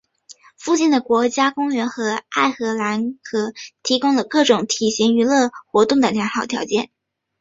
附近的国家公园和爱荷华河提供了各种休闲娱乐活动的良好条件。